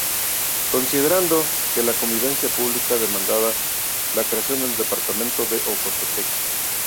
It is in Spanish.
Considerando: Que la conveniencia pública demanda la creación del Departamento de Ocotepeque.